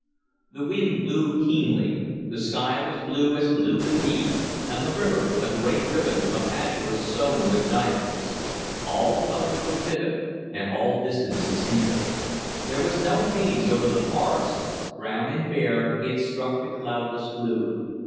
The wind blew keenly; the sky was blue as blue could be, and the river a great ribbon of azure sewn with diamonds. All colors were vivid and all distances near. There was no haze over the forest; brown and bare it struck the cloudless blue.